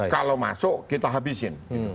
kalau masuk kita habisin